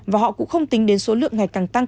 và họ cũng không tính đến số lượng ngày càng tăng